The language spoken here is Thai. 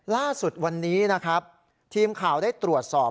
ล่าสุดวันนี้นะครับทีมข่าวได้ตรวจสอบ